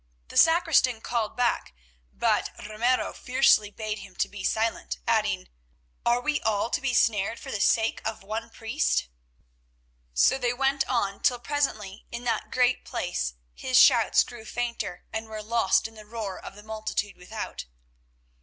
The sacristan called back, but Ramiro fiercely bade him to be silent, adding: "Are we all to be snared for the sake of one priest?" So they went on, till presently in that great place his shouts grew fainter, and were lost in the roar of the multitude without.